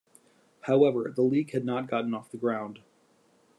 However, the league had not gotten off the ground.